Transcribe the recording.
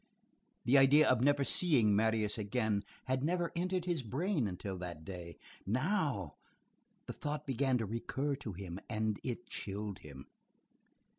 The idea of never seeing Marius again had never entered his brain until that day; now the thought began to recur to him, and it chilled him.